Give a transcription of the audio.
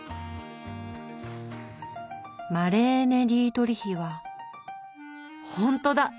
マレーネ・ディートリヒはほんとだ！